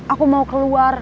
aku mau keluar